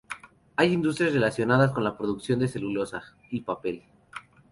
Hay industrias relacionadas con la producción de celulosa y papel.